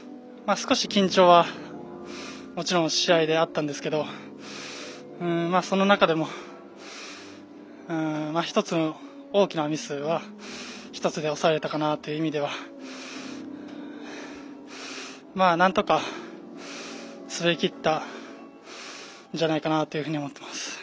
少し緊張はもちろん試合であったんですけどその中でも、大きなミスは１つで抑えたかなという意味ではなんとか滑りきったんじゃないかなというふうに思ってます。